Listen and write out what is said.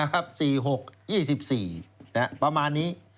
๔๖๒๔ประมาณนี้